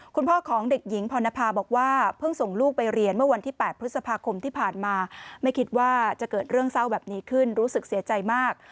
คุณพ่อของเด็กหญิงพรณภาบอกว่าเพิ่งส่งลูกไปเรียนเมื่อวันที่๘พฤษภาคมที่ผ่านมาไม่คิดว่าจะเกิดเรื่องเศร้าแบบนี้ขึ้นรู้สึกเสียใจมาก